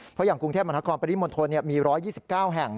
เพราะอย่างกรุงเทพมหานครปริมณฑลมี๑๒๙แห่ง